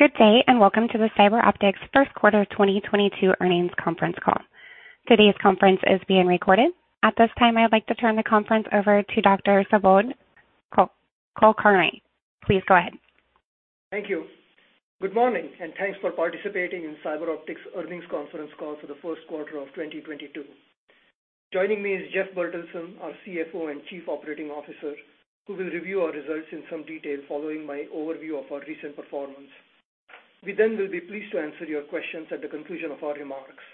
Good day, and welcome to the CyberOptics first quarter 2022 earnings conference call. Today's conference is being recorded. At this time, I'd like to turn the conference over to Dr. Subodh Kulkarni. Please go ahead. Thank you. Good morning, and thanks for participating in CyberOptics earnings conference call for the first quarter of 2022. Joining me is Jeff Bertelsen, our CFO and Chief Operating Officer, who will review our results in some detail following my overview of our recent performance. We then will be pleased to answer your questions at the conclusion of our remarks.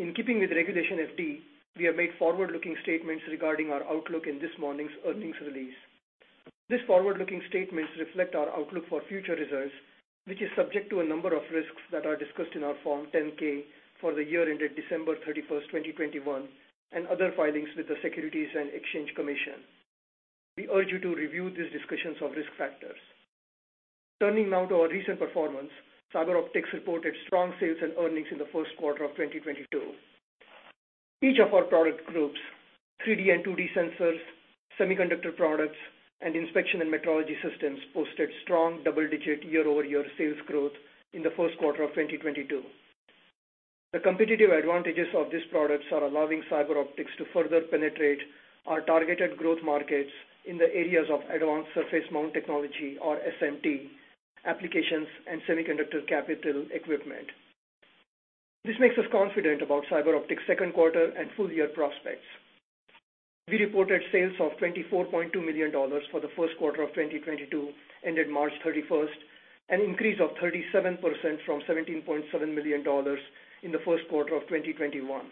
In keeping with Regulation FD, we have made forward-looking statements regarding our outlook in this morning's earnings release. These forward-looking statements reflect our outlook for future results, which is subject to a number of risks that are discussed in our Form 10-K for the year ended December 31, 2021, and other filings with the Securities and Exchange Commission. We urge you to review these discussions of risk factors. Turning now to our recent performance, CyberOptics reported strong sales and earnings in the first quarter of 2022. Each of our product groups, 3D and 2D sensors, semiconductor products, and inspection and metrology systems, posted strong double-digit year-over-year sales growth in the first quarter of 2022. The competitive advantages of these products are allowing CyberOptics to further penetrate our targeted growth markets in the areas of advanced surface mount technology or SMT applications and semiconductor capital equipment. This makes us confident about CyberOptics' second quarter and full year prospects. We reported sales of $24.2 million for the first quarter of 2022 ended March 31, an increase of 37% from $17.7 million in the first quarter of 2021.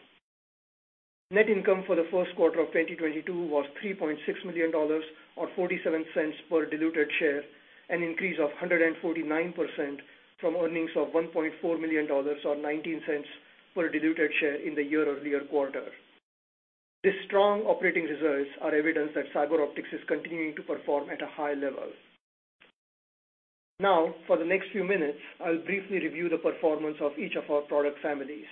Net income for the first quarter of 2022 was $3.6 million or $0.47 per diluted share, an increase of 149% from earnings of $1.4 million or $0.19 per diluted share in the year-over-year quarter. These strong operating results are evidence that CyberOptics is continuing to perform at a high level. Now, for the next few minutes, I'll briefly review the performance of each of our product families.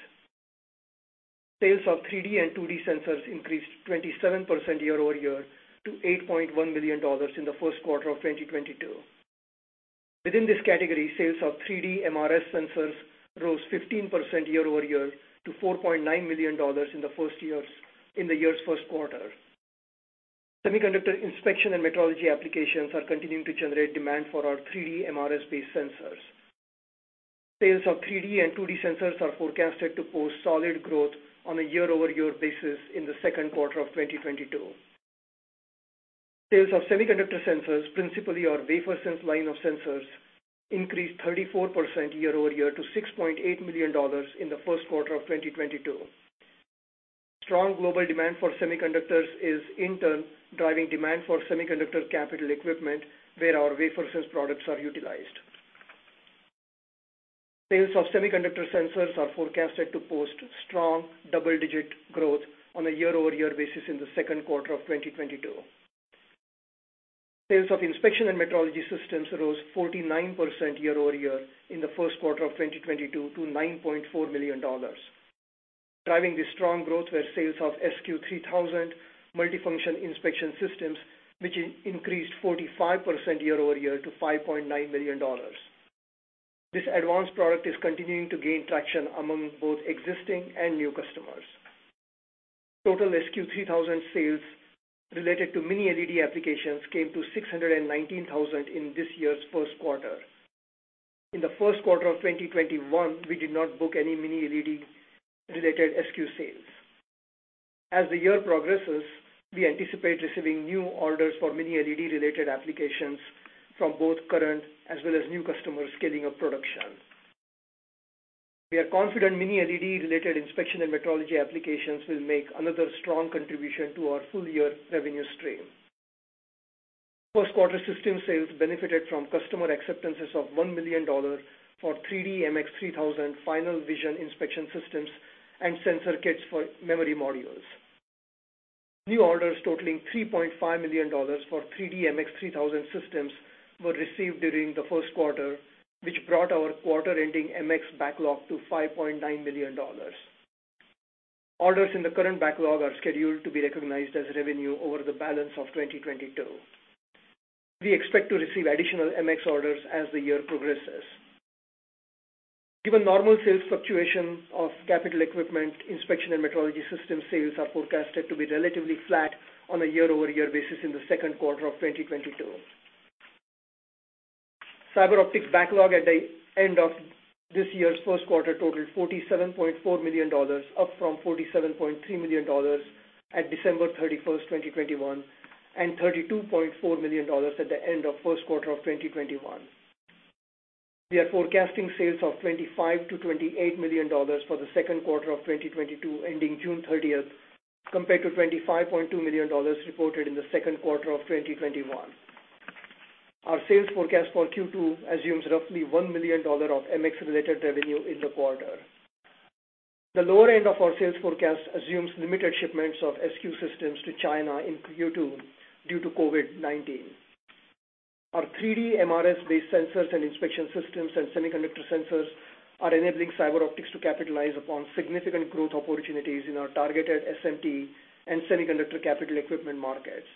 Sales of 3D and 2D sensors increased 27% year-over-year to $8.1 million in the first quarter of 2022. Within this category, sales of 3D MRS sensors rose 15% year-over-year to $4.9 million in the first quarter. Semiconductor inspection and metrology applications are continuing to generate demand for our 3D MRS-based sensors. Sales of 3D and 2D sensors are forecasted to post solid growth on a year-over-year basis in the second quarter of 2022. Sales of semiconductor sensors, principally our WaferSense line of sensors, increased 34% year-over-year to $6.8 million in the first quarter of 2022. Strong global demand for semiconductors is in turn driving demand for semiconductor capital equipment where our WaferSense products are utilized. Sales of semiconductor sensors are forecasted to post strong double-digit growth on a year-over-year basis in the second quarter of 2022. Sales of inspection and metrology systems rose 49% year-over-year in the first quarter of 2022 to $9.4 million. Driving this strong growth were sales of SQ3000 multifunction inspection systems, which increased 45% year-over-year to $5.9 million. This advanced product is continuing to gain traction among both existing and new customers. Total SQ3000 sales related to Mini-LED applications came to $619,000 in this year's first quarter. In the first quarter of 2021, we did not book any Mini-LED related SQ sales. As the year progresses, we anticipate receiving new orders for Mini-LED related applications from both current as well as new customers scaling up production. We are confident Mini-LED related inspection and metrology applications will make another strong contribution to our full year revenue stream. First quarter system sales benefited from customer acceptances of $1 million for 3D MX3000 final vision inspection systems and sensor kits for memory modules. New orders totaling $3.5 million for 3D MX3000 systems were received during the first quarter, which brought our quarter-ending MX backlog to $5.9 million. Orders in the current backlog are scheduled to be recognized as revenue over the balance of 2022. We expect to receive additional MX orders as the year progresses. Given normal sales fluctuation of capital equipment, inspection and metrology system sales are forecasted to be relatively flat on a year-over-year basis in the second quarter of 2022. CyberOptics backlog at the end of this year's first quarter totaled $47.4 million, up from $47.3 million at December 31, 2021, and $32.4 million at the end of first quarter of 2021. We are forecasting sales of $25 million-$28 million for the second quarter of 2022 ending June 30, compared to $25.2 million reported in the second quarter of 2021. Our sales forecast for Q2 assumes roughly $1 million of MX-related revenue in the quarter. The lower end of our sales forecast assumes limited shipments of SQ systems to China in Q2 due to COVID-19. Our 3D MRS-based sensors and inspection systems and semiconductor sensors are enabling CyberOptics to capitalize upon significant growth opportunities in our targeted SMT and semiconductor capital equipment markets.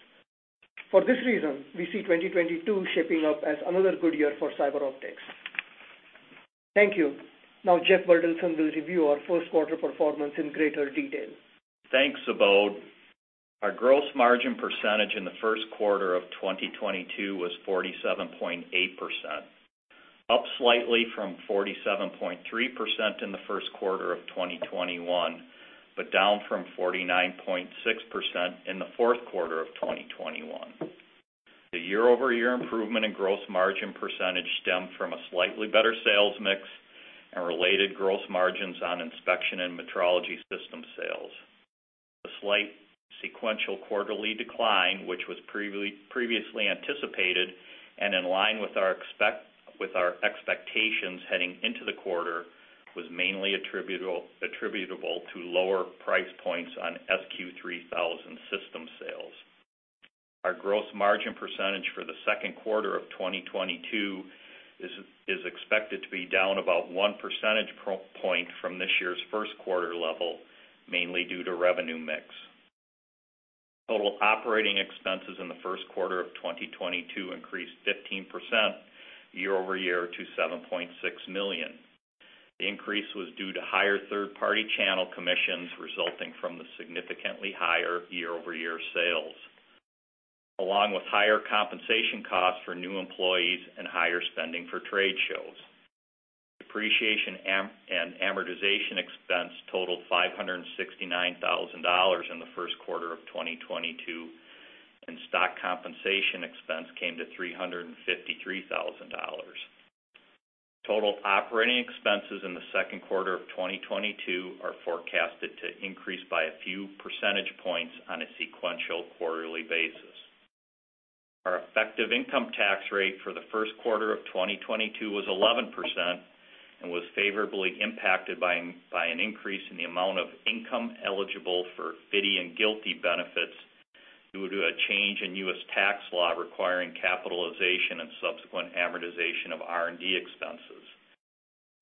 For this reason, we see 2022 shaping up as another good year for CyberOptics. Thank you. Now Jeff Bertelsen will review our first quarter performance in greater detail. Thanks, Subodh. Our gross margin percentage in the first quarter of 2022 was 47.8%, up slightly from 47.3% in the first quarter of 2021, but down from 49.6% in the fourth quarter of 2021. The year-over-year improvement in gross margin percentage stemmed from a slightly better sales mix and related gross margins on inspection and metrology system sales. The slight sequential quarterly decline, which was previously anticipated and in line with our expectations heading into the quarter, was mainly attributable to lower price points on SQ3000 system sales. Our gross margin percentage for the second quarter of 2022 is expected to be down about one percentage point from this year's first quarter level, mainly due to revenue mix. Total operating expenses in the first quarter of 2022 increased 15% year over year to $7.6 million. The increase was due to higher third-party channel commissions resulting from the significantly higher year-over-year sales, along with higher compensation costs for new employees and higher spending for trade shows. Depreciation and amortization expense totaled $569,000 in the first quarter of 2022, and stock compensation expense came to $353,000. Total operating expenses in the second quarter of 2022 are forecasted to increase by a few percentage points on a sequential quarterly basis. Our effective income tax rate for the first quarter of 2022 was 11% and was favorably impacted by by an increase in the amount of income eligible for FDII and GILTI benefits due to a change in U.S. tax law requiring capitalization and subsequent amortization of R&D expenses.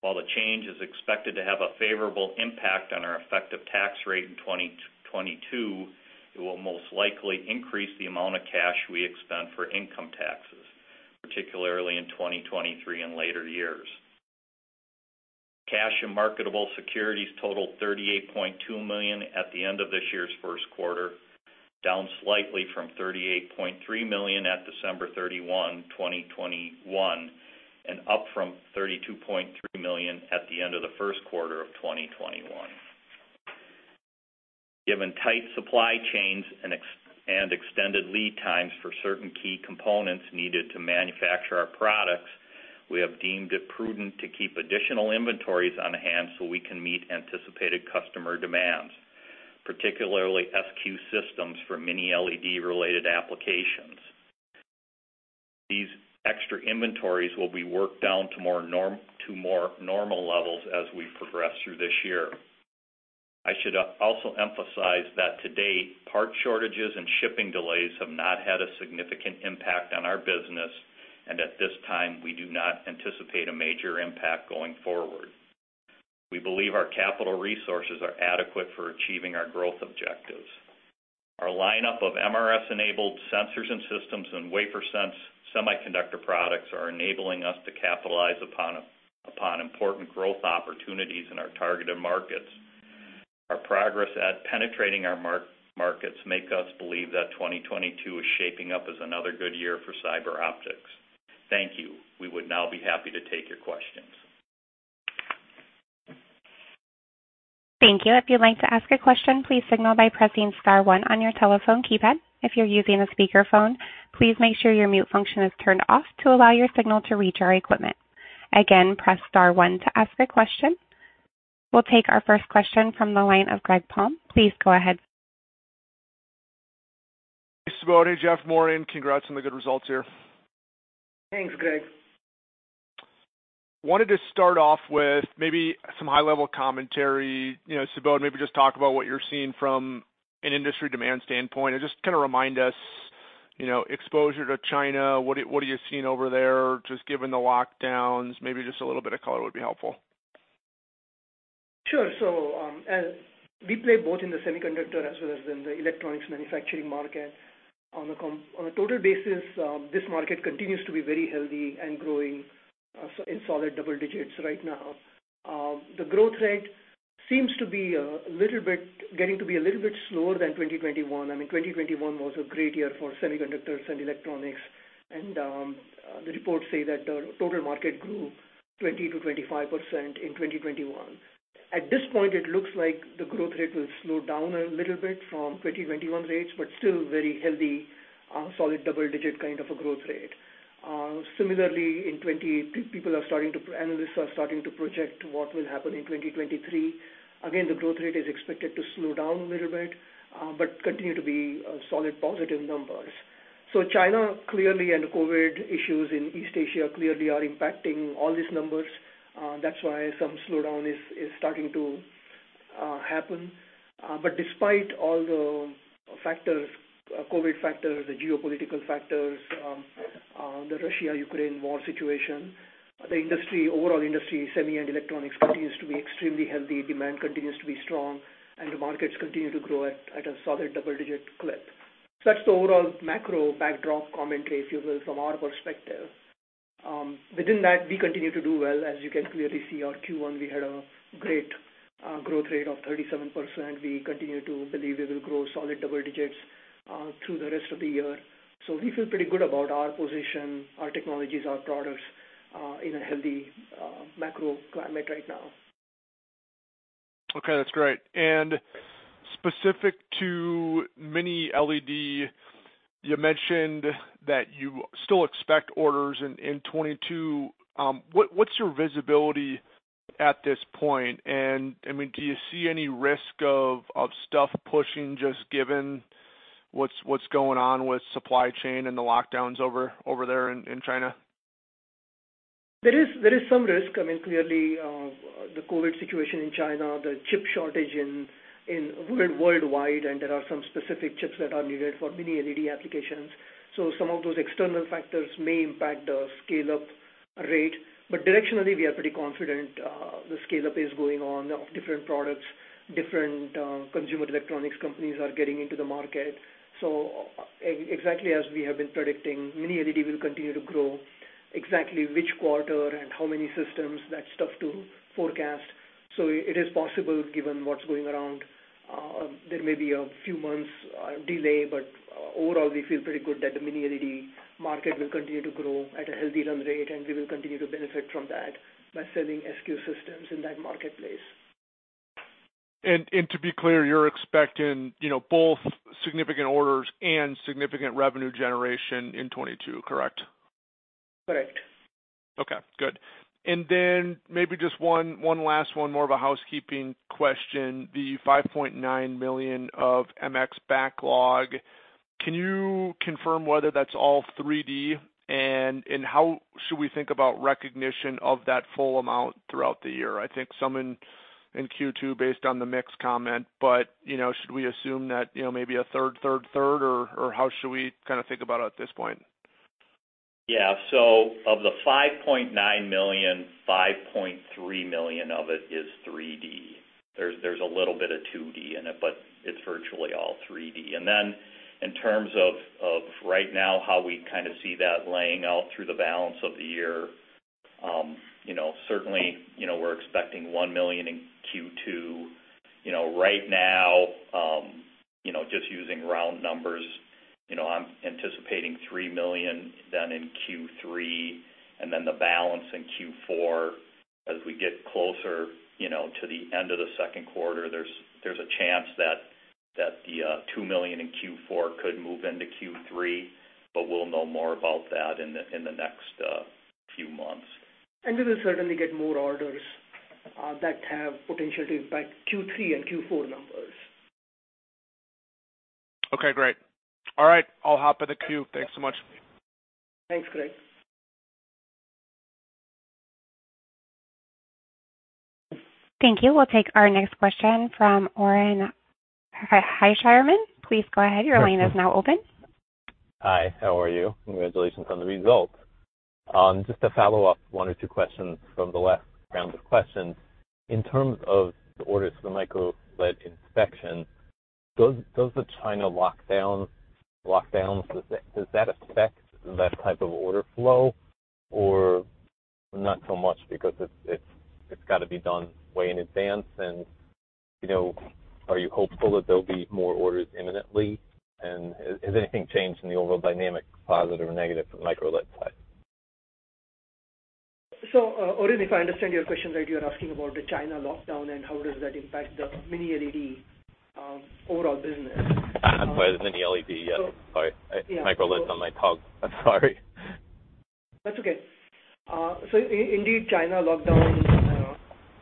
While the change is expected to have a favorable impact on our effective tax rate in 2022, it will most likely increase the amount of cash we expend for income taxes, particularly in 2023 and later years. Cash and marketable securities totaled $38.2 million at the end of this year's first quarter, down slightly from $38.3 million at December 31, 2021, and up from $32.3 million at the end of the first quarter of 2021. Given tight supply chains and extended lead times for certain key components needed to manufacture our products, we have deemed it prudent to keep additional inventories on hand so we can meet anticipated customer demands, particularly SQ systems for mini-LED related applications. These extra inventories will be worked down to more normal levels as we progress through this year. I should also emphasize that to date, part shortages and shipping delays have not had a significant impact on our business, and at this time, we do not anticipate a major impact going forward. We believe our capital resources are adequate for achieving our growth objectives. Our lineup of MRS-enabled sensors and systems and WaferSense semiconductor products are enabling us to capitalize upon important growth opportunities in our targeted markets. Our progress at penetrating our markets make us believe that 2022 is shaping up as another good year for CyberOptics. Thank you. We would now be happy to take your questions. Thank you. If you'd like to ask a question, please signal by pressing star one on your telephone keypad. If you're using a speakerphone, please make sure your mute function is turned off to allow your signal to reach our equipment. Again, press star one to ask a question. We'll take our first question from the line of Greg Palm. Please go ahead. Hey, Subodh and Jeff. Morning. Congrats on the good results here. Thanks, Greg. Wanted to start off with maybe some high-level commentary. You know, Subodh, maybe just talk about what you're seeing from an industry demand standpoint, and just kinda remind us, you know, exposure to China. What are you seeing over there, just given the lockdowns? Maybe just a little bit of color would be helpful. Sure. As we play both in the semiconductor as well as in the electronics manufacturing market, on a total basis, this market continues to be very healthy and growing in solid double digits right now. The growth rate seems to be getting to be a little bit slower than 2021. I mean, 2021 was a great year for semiconductors and electronics, and the reports say that the total market grew 20%-25% in 2021. At this point, it looks like the growth rate will slow down a little bit from 2021 rates, but still very healthy, solid double digit kind of a growth rate. Similarly, in 2020, analysts are starting to project what will happen in 2023. Again, the growth rate is expected to slow down a little bit, but continue to be solid positive numbers. China, clearly, and the COVID issues in East Asia clearly are impacting all these numbers, that's why some slowdown is starting to happen. Despite all the factors, COVID factors, the geopolitical factors, the Russia-Ukraine war situation, the overall industry, semi and electronics continues to be extremely healthy, demand continues to be strong, and the markets continue to grow at a solid double-digit clip. That's the overall macro backdrop commentary, if you will, from our perspective. Within that we continue to do well. As you can clearly see, our Q1, we had a great growth rate of 37%. We continue to believe we will grow solid double digits through the rest of the year. We feel pretty good about our position, our technologies, our products, in a healthy, macro climate right now. Okay, that's great. Specific to Mini-LED, you mentioned that you still expect orders in 2022. What's your visibility at this point? I mean, do you see any risk of stuff pushing just given what's going on with supply chain and the lockdowns over there in China? There is some risk. I mean, clearly, the COVID situation in China, the chip shortage worldwide, and there are some specific chips that are needed for Mini-LED applications. Some of those external factors may impact the scale-up rate. Directionally, we are pretty confident, the scale-up is going on of different products. Different, consumer electronics companies are getting into the market. Exactly as we have been predicting, Mini-LED will continue to grow. Exactly which quarter and how many systems, that's tough to forecast. It is possible, given what's going around, there may be a few months delay. Overall, we feel pretty good that the Mini-LED market will continue to grow at a healthy run rate, and we will continue to benefit from that by selling SQ systems in that marketplace. To be clear, you're expecting, you know, both significant orders and significant revenue generation in 2022, correct? Correct. Okay, good. Then maybe just one last one, more of a housekeeping question. The $5.9 million of MX backlog, can you confirm whether that's all 3D, and how should we think about recognition of that full amount throughout the year? I think some in Q2 based on the mix comment, but you know, should we assume that you know, maybe a third or how should we kinda think about it at this point? Yeah. Of the $5.9 million, $5.3 million of it is 3D. There's a little bit of 2D in it, but it's virtually all 3D. In terms of right now how we kind of see that laying out through the balance of the year, you know, certainly, you know, we're expecting $1 million in Q2. You know, right now, you know, just using round numbers, you know, I'm anticipating $3 million then in Q3, and then the balance in Q4. As we get closer, you know, to the end of the second quarter, there's a chance that the $2 million in Q4 could move into Q3, but we'll know more about that in the next few months. We will certainly get more orders that have potential to impact Q3 and Q4 numbers. Okay, great. All right, I'll hop off the queue. Thanks so much. Thanks, Craig. Thank you. We'll take our next question from Orin Hirschman. Please go ahead. Your line is now open. Hi, how are you? Congratulations on the results. Just to follow up one or two questions from the last round of questions. In terms of the orders for the micro-LED inspection, does the China lockdown affect that type of order flow or not so much because it's gotta be done way in advance? You know, are you hopeful that there'll be more orders imminently? Has anything changed in the overall dynamic, positive or negative for micro-LED side? Orin, if I understand your question right, you're asking about the China lockdown and how does that impact the Mini-LED overall business? Mini-LED, yeah. Sorry. Yeah. micro-LEDs on my tongue. Sorry. That's okay. Indeed, China lockdowns'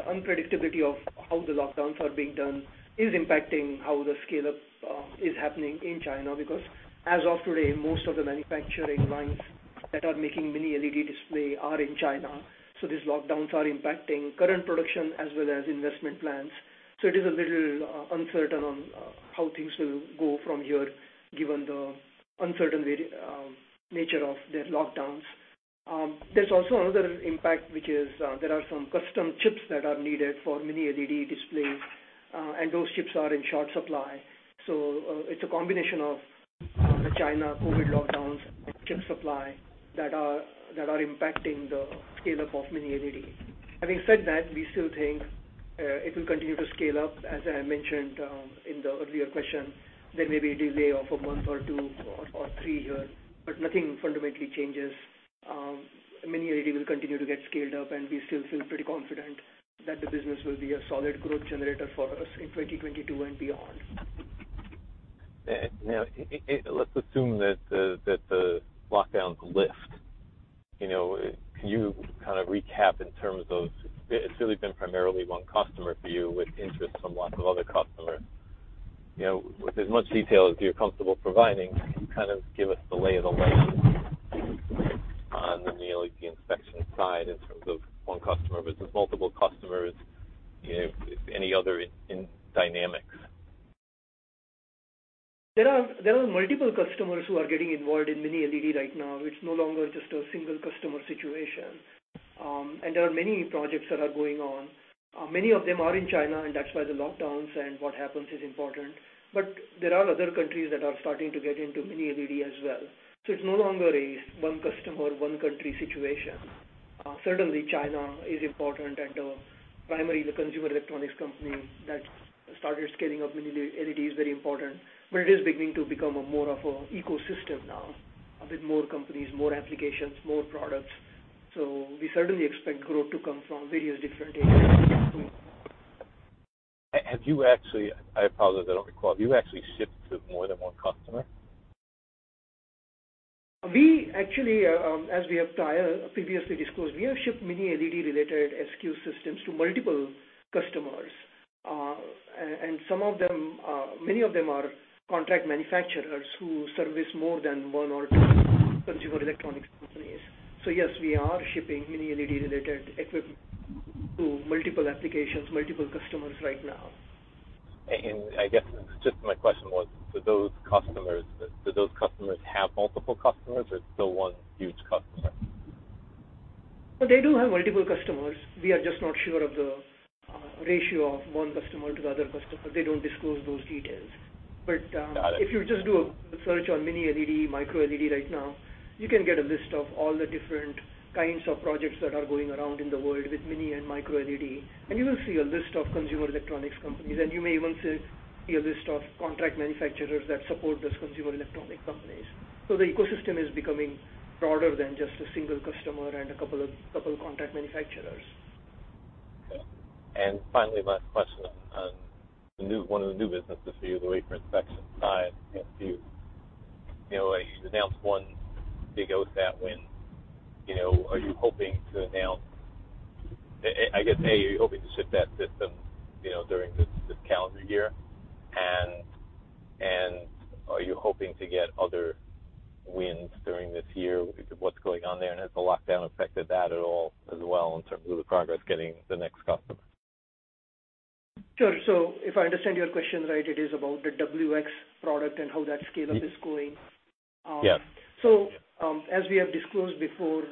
unpredictability of how the lockdowns are being done is impacting how the scale-up is happening in China. Because as of today, most of the manufacturing lines that are making Mini-LED displays are in China, so these lockdowns are impacting current production as well as investment plans. It is a little uncertain on how things will go from here given the uncertainty nature of their lockdowns. There's also another impact, which is there are some custom chips that are needed for Mini-LED displays, and those chips are in short supply. It's a combination of the China COVID lockdowns and chip supply that are impacting the scale-up of Mini-LED. Having said that, we still think it will continue to scale up. As I mentioned, in the earlier question, there may be a delay of a month or two or three here, but nothing fundamentally changes. Mini-LED will continue to get scaled up, and we still feel pretty confident that the business will be a solid growth generator for us in 2022 and beyond. You know, and let's assume that the lockdowns lift. You know, can you kind of recap in terms of it's really been primarily one customer for you with interest from lots of other customers. You know, with as much detail as you're comfortable providing, can you kind of give us the lay of the land on the Mini-LED inspection side in terms of one customer versus multiple customers? You know, if any other dynamics. There are multiple customers who are getting involved in Mini-LED right now. It's no longer just a single customer situation. There are many projects that are going on. Many of them are in China, and that's why the lockdowns and what happens is important. There are other countries that are starting to get into Mini-LED as well. It's no longer a one customer, one country situation. Certainly China is important and, primarily the consumer electronics company that started scaling up Mini-LED is very important. It is beginning to become a more of a ecosystem now, a bit more companies, more applications, more products. We certainly expect growth to come from various different areas. I apologize, I don't recall. Have you actually shipped to more than one customer? We actually, as we have previously disclosed, we have shipped Mini-LED related SQ systems to multiple customers. Some of them, many of them are contract manufacturers who service more than one or two consumer electronics companies. Yes, we are shipping Mini-LED related equipment to multiple applications, multiple customers right now. I guess just my question was, do those customers have multiple customers or still one huge customer? They do have multiple customers. We are just not sure of the ratio of one customer to the other customer. They don't disclose those details. Got it. If you just do a search on mini-LED, micro-LED right now, you can get a list of all the different kinds of projects that are going around in the world with mini-LED and micro-LED. You will see a list of consumer electronics companies, and you may even see a list of contract manufacturers that support those consumer electronics companies. The ecosystem is becoming broader than just a single customer and a couple of contract manufacturers. Finally, my question on the new one of the new businesses for you, the wafer inspection side. You know, you've announced one big OSAT win. You know, are you hoping to announce, I guess A, are you hoping to ship that system, you know, during this calendar year? And are you hoping to get other wins during this year? What's going on there, and has the lockdown affected that at all as well in terms of the progress getting the next customer? Sure. If I understand your question right, it is about the WX product and how that scale-up is going. Yes. As we have disclosed before,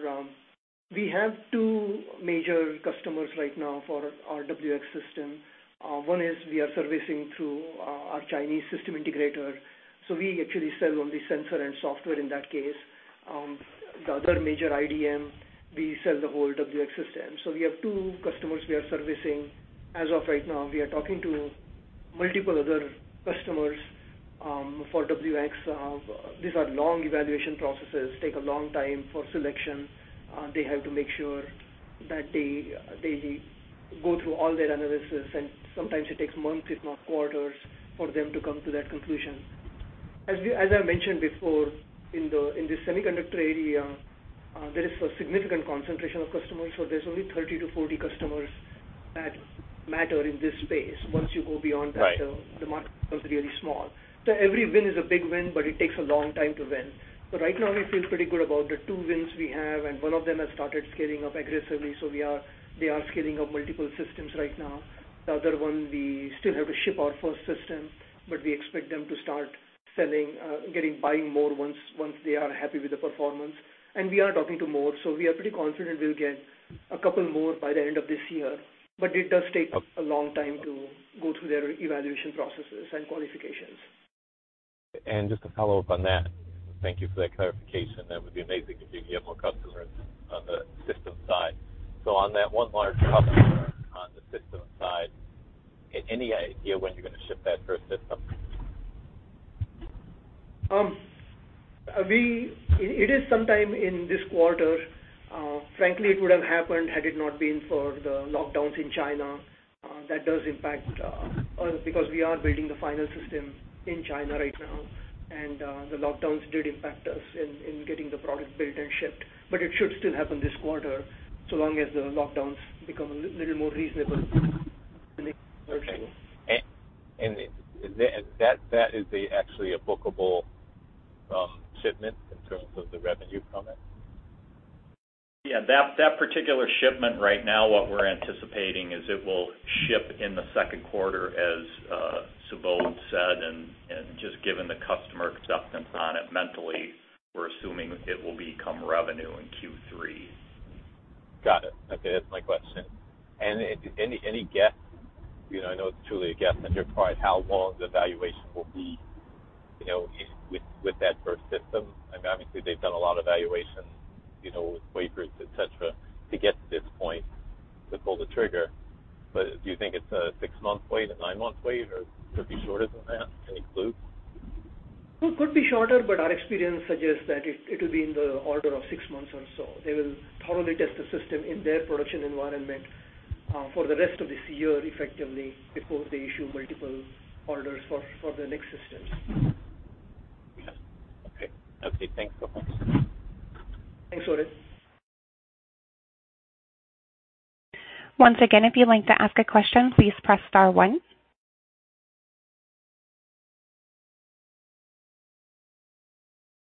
we have two major customers right now for our WX system. One is we are servicing through our Chinese system integrator. We actually sell only sensor and software in that case. The other major IDM, we sell the whole WX system. We have two customers we are servicing. As of right now, we are talking to multiple other customers for WX. These are long evaluation processes, take a long time for selection. They have to make sure that they go through all their analysis, and sometimes it takes months, if not quarters, for them to come to that conclusion. As I mentioned before, in the semiconductor area, there is a significant concentration of customers. There's only 30-40 customers that matter in this space. Once you go beyond that. Right. The market becomes really small. Every win is a big win, but it takes a long time to win. Right now, we feel pretty good about the two wins we have, and one of them has started scaling up aggressively. They are scaling up multiple systems right now. The other one, we still have to ship our first system, but we expect them to start scaling, buying more once they are happy with the performance. We are talking to more, so we are pretty confident we'll get a couple more by the end of this year. It does take a long time to go through their evaluation processes and qualifications. Just to follow up on that, thank you for that clarification. That would be amazing if you can get more customers on the system side. On that one large customer on the system side, any idea when you're going to ship that first system? It is sometime in this quarter. Frankly, it would have happened had it not been for the lockdowns in China. That does impact us because we are building the final system in China right now. The lockdowns did impact us in getting the product built and shipped. It should still happen this quarter so long as the lockdowns become a little more reasonable. Okay. That is actually a bookable shipment in terms of the revenue from it? Yeah. That particular shipment right now, what we're anticipating is it will ship in the second quarter, as Subodh said. Just given the customer acceptance on it eventually, we're assuming it will become revenue in Q3. Got it. Okay. That's my question. Any guess, you know, I know it's truly a guess on your part, how long the evaluation will be, you know, with that first system? I mean, obviously they've done a lot of evaluation, you know, with wafers, et cetera, to get to this point, to pull the trigger. Do you think it's a six-month wait, a nine-month wait, or could it be shorter than that? Any clue? It could be shorter, but our experience suggests that it'll be in the order of six-months or so. They will thoroughly test the system in their production environment for the rest of this year, effectively, before they issue multiple orders for the next systems. Yeah. Okay. Okay, thanks, Subodh. Thanks, Orin. Once again, if you'd like to ask a question, please press star one.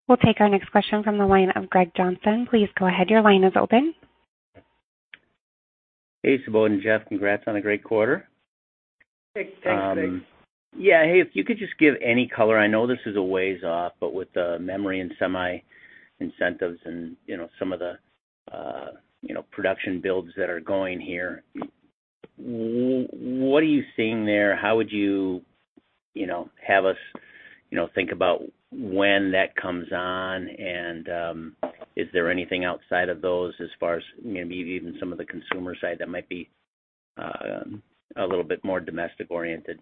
We'll take our next question from the line of Greg Palm. Please go ahead, your line is open. Hey, Subodh and Jeff. Congrats on a great quarter. Thanks. Thanks, Greg. Yeah. Hey, if you could just give any color. I know this is a ways off, but with the memory and semi incentives and, you know, some of the, you know, production builds that are going here, what are you seeing there? How would you know, have us, you know, think about when that comes on and, is there anything outside of those as far as maybe even some of the consumer side that might be a little bit more domestic oriented?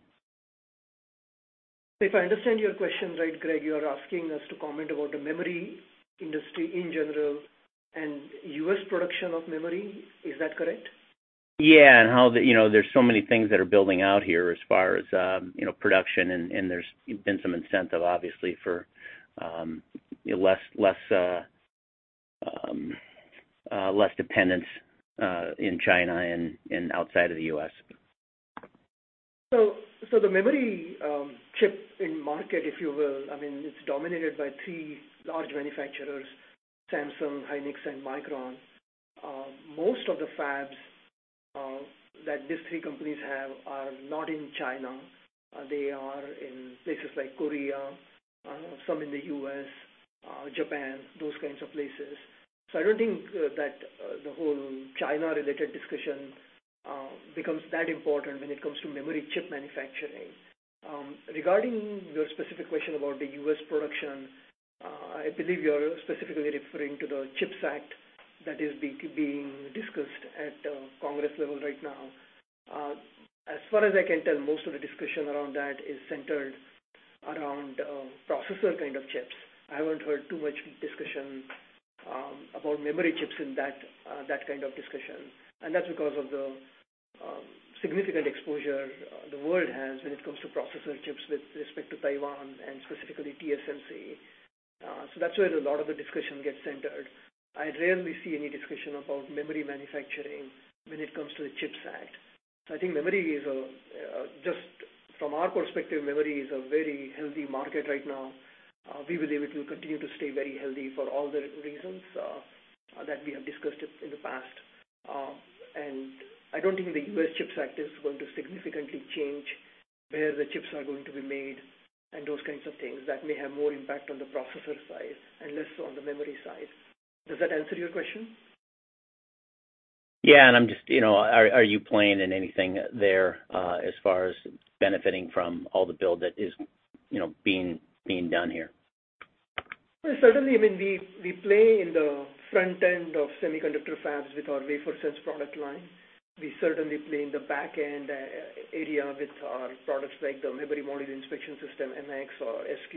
If I understand your question right, Greg, you are asking us to comment about the memory industry in general and U.S. production of memory. Is that correct? Yeah. You know, there's so many things that are building out here as far as production, and there's been some incentive obviously for less dependence in China and outside of the US. The memory chip in market, if you will, I mean, it's dominated by three large manufacturers: Samsung, SK hynix and Micron. Most of the fabs that these three companies have are not in China. They are in places like Korea, some in the U.S., Japan, those kinds of places. I don't think that the whole China-related discussion becomes that important when it comes to memory chip manufacturing. Regarding your specific question about the U.S. production, I believe you're specifically referring to the CHIPS Act that is being discussed at congressional level right now. As far as I can tell, most of the discussion around that is centered around processor kind of chips. I haven't heard too much discussion about memory chips in that kind of discussion. That's because of the significant exposure the world has when it comes to processor chips with respect to Taiwan and specifically TSMC. That's where a lot of the discussion gets centered. I rarely see any discussion about memory manufacturing when it comes to the CHIPS Act. I think just from our perspective memory is a very healthy market right now. We believe it will continue to stay very healthy for all the reasons that we have discussed it in the past. I don't think the U.S. CHIPS Act is going to significantly change where the chips are going to be made and those kinds of things. That may have more impact on the processor side and less on the memory side. Does that answer your question? Yeah. I'm just, you know, Are you playing in anything there as far as benefiting from all the build that is, you know, being done here? Certainly. I mean, we play in the front end of semiconductor fabs with our WaferSense product line. We certainly play in the back end area with our products like the Memory Module Inspection System, MX or SQ,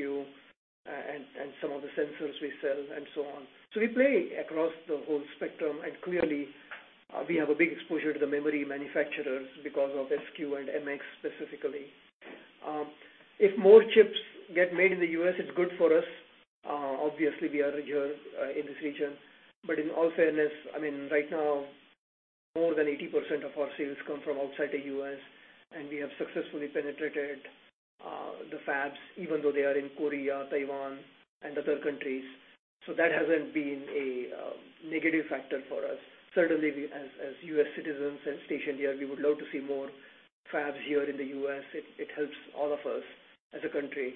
and some of the sensors we sell and so on. We play across the whole spectrum, and clearly, we have a big exposure to the memory manufacturers because of SQ and MX specifically. If more chips get made in the U.S., it's good for us. Obviously we are here in this region. In all fairness, I mean, right now, more than 80% of our sales come from outside the U.S., and we have successfully penetrated the fabs, even though they are in Korea, Taiwan and other countries. That hasn't been a negative factor for us. Certainly we, as U.S. citizens and stationed here, we would love to see more fabs here in the U.S. It helps all of us as a country.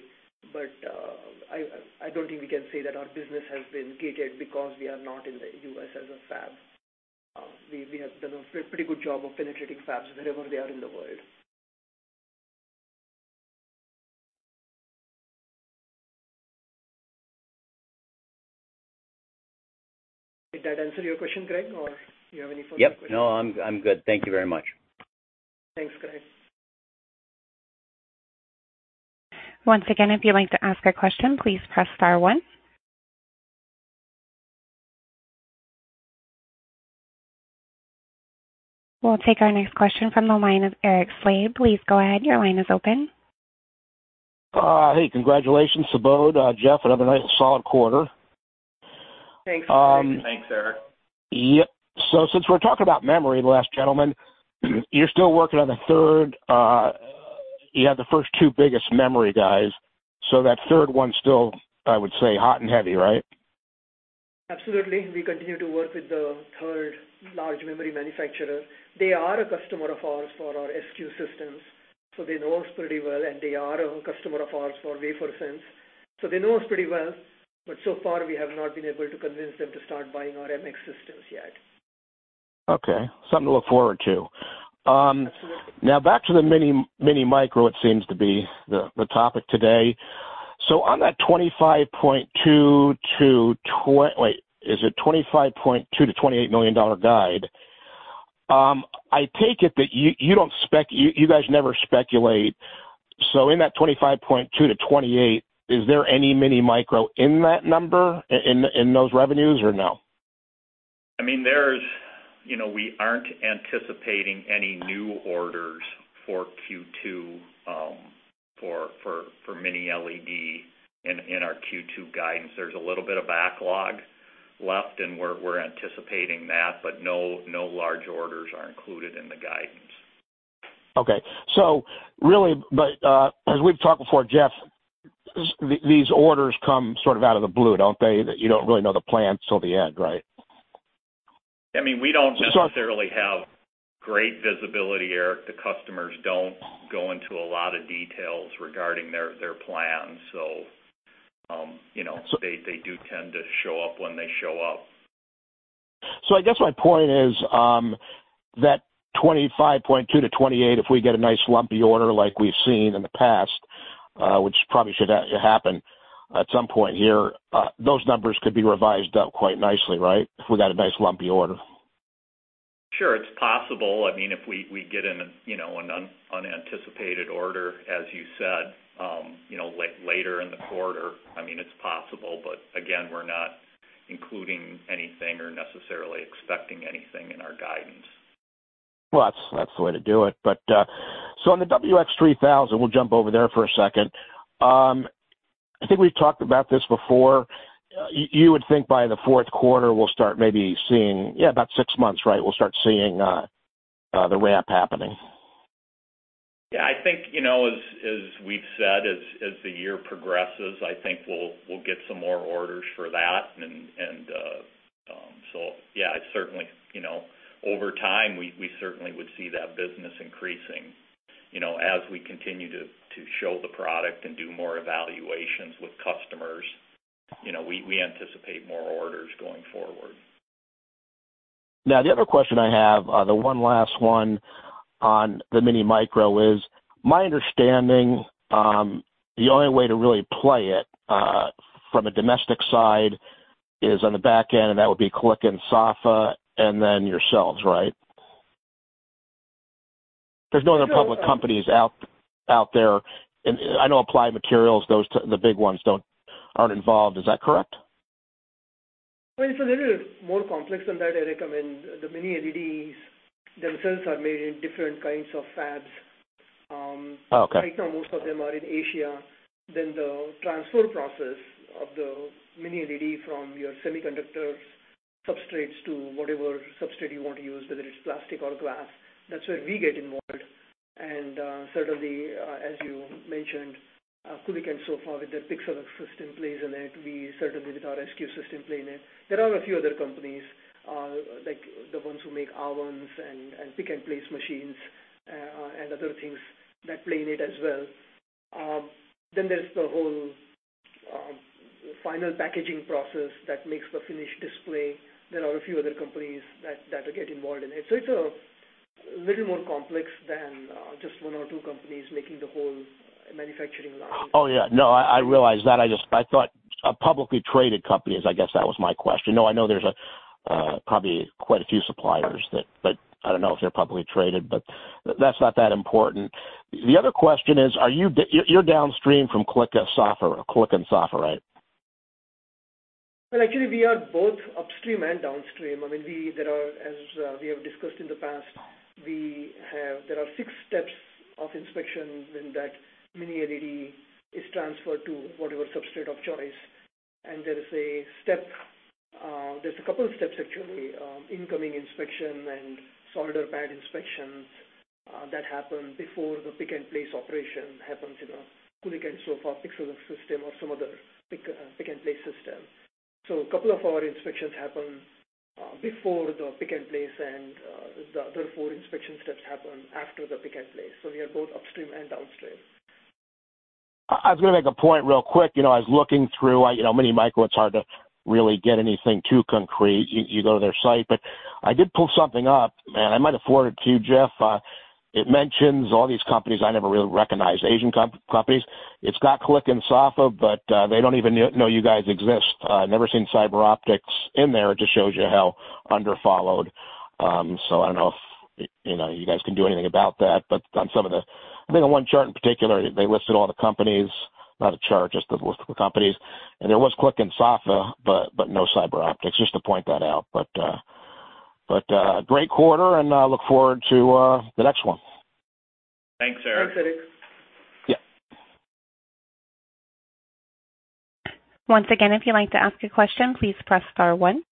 I don't think we can say that our business has been gated because we are not in the U.S. as a fab. We have done a pretty good job of penetrating fabs wherever they are in the world. Did that answer your question, Greg, or do you have any further questions? Yep. No, I'm good. Thank you very much. Thanks, Greg. Once again, if you'd like to ask a question, please press star one. We'll take our next question from the line of Eric Slade. Please go ahead. Your line is open. Hey, congratulations, Subodh. Jeff, another nice solid quarter. Thanks, Eric. Thanks, Eric. Yep. Since we're talking about memory, the last gentleman, you're still working on the third. You have the first two biggest memory guys, so that third one's still, I would say, hot and heavy, right? Absolutely. We continue to work with the third large memory manufacturer. They are a customer of ours for our SQ systems, so they know us pretty well. They are a customer of ours for WaferSense, so they know us pretty well, but so far we have not been able to convince them to start buying our MX systems yet. Okay. Something to look forward to. Absolutely. Now back to the mini micro. It seems to be the topic today. On that $25.2 million-$28 million guide? Wait, is it $25.2 million-$28 million guide? I take it that you guys never speculate. In that $25.2 million-$28 million, is there any mini micro in that number, in those revenues or no? I mean, you know, we aren't anticipating any new orders for Q2 for Mini-LED in our Q2 guidance. There's a little bit of backlog left, and we're anticipating that, but no large orders are included in the guidance. Okay. Really, as we've talked before, Jeff, these orders come sort of out of the blue, don't they? That you don't really know the plan till the end, right? I mean, we don't necessarily have great visibility, Eric. The customers don't go into a lot of details regarding their plans. You know, they do tend to show up when they show up. I guess my point is, that $25.2-$28, if we get a nice lumpy order like we've seen in the past, which probably should happen at some point here, those numbers could be revised up quite nicely, right? If we got a nice lumpy order. Sure, it's possible. I mean, if we get in, you know, an unanticipated order, as you said, you know, later in the quarter, I mean, it's possible, but again, we're not including anything or necessarily expecting anything in our guidance. Well, that's the way to do it. On the WX3000, we'll jump over there for a second. I think we've talked about this before. You would think by the fourth quarter we'll start maybe seeing the ramp happening. Yeah, about six months, right? We'll start seeing the ramp happening. Yeah, I think, you know, as we've said, as the year progresses, I think we'll get some more orders for that. Yeah, it's certainly, you know, over time we certainly would see that business increasing. You know, as we continue to show the product and do more evaluations with customers, you know, we anticipate more orders going forward. Now, the other question I have, the one last one on the mini/micro is, my understanding, the only way to really play it, from a domestic side is on the back end, and that would be Kulicke & Soffa and then yourselves, right? There's no other public companies out there. I know Applied Materials, those, the big ones aren't involved. Is that correct? Well, it's a little more complex than that, Eric. I mean, the Mini-LEDs themselves are made in different kinds of fabs. Oh, okay. Right now, most of them are in Asia. The transfer process of the Mini-LED from your semiconductor substrates to whatever substrate you want to use, whether it's plastic or glass, that's where we get involved. Certainly, as you mentioned, Kulicke & Soffa with their PIXALUX system plays in it. We certainly with our SQ system play in it. There are a few other companies, like the ones who make ovens and pick-and-place machines, and other things that play in it as well. There's the whole final packaging process that makes the finished display. There are a few other companies that will get involved in it. It's a little more complex than just one or two companies making the whole manufacturing line. Oh, yeah. No, I realize that. I thought a publicly traded company is, I guess, that was my question. No, I know there's probably quite a few suppliers. I don't know if they're publicly traded, but that's not that important. The other question is, You're downstream from Kulicke & Soffa, right? Well, actually, we are both upstream and downstream. I mean, there are, as we have discussed in the past, 6 steps of inspection when that Mini-LED is transferred to whatever substrate of choice. There is a step, there's a couple of steps, actually, incoming inspection and solder pad inspections that happen before the pick-and-place operation happens in a Kulicke & Soffa PIXALUX system or some other pick-and-place system. A couple of our inspections happen before the pick and place, and the other 4 inspection steps happen after the pick and place. We are both upstream and downstream. I was gonna make a point real quick. You know, I was looking through, you know, mini/micro. It's hard to really get anything too concrete. You go to their site. I did pull something up, and I might have forwarded it to you, Jeff. It mentions all these companies I never really recognized, Asian companies. It's got Kulicke & Soffa, but they don't even know you guys exist. I've never seen CyberOptics in there. It just shows you how underfollowed. I don't know if, you know, you guys can do anything about that. On some of them, I think on one chart in particular, they listed all the companies. Not a chart, just the list of the companies. There was Kulicke & Soffa, but no CyberOptics, just to point that out. Great quarter, and I look forward to the next one. Thanks, Eric. Thanks, Eric. Yeah. Once again, if you'd like to ask a question, please press star one.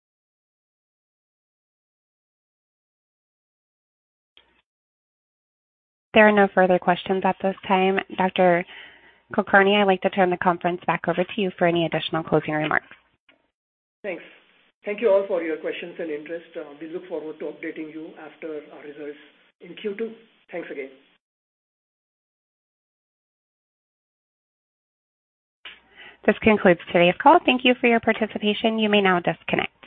There are no further questions at this time. Dr. Kulkarni, I'd like to turn the conference back over to you for any additional closing remarks. Thanks. Thank you all for your questions and interest. We look forward to updating you after our results in Q2. Thanks again. This concludes today's call. Thank you for your participation. You may now disconnect.